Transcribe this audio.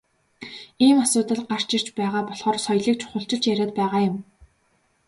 Ийм асуудал гарч ирж байгаа болохоор соёлыг чухалчилж яриад байгаа юм.